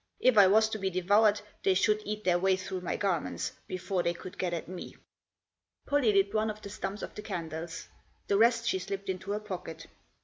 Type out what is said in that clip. If I was to be devoured they should eat their way through my garments before they could get at me. Pollie lit one of the stumps of the candles. The rest she slipped into her pocket.